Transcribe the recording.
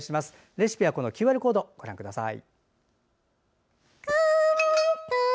レシピはＱＲコードご覧ください。